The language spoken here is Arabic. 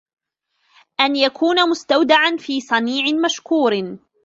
أَنْ يَكُونَ مُسْتَوْدَعًا فِي صَنِيعٍ مَشْكُورٍ